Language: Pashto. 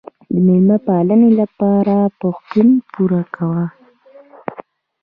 د میلمه پالنې لپاره پښتون پور کوي.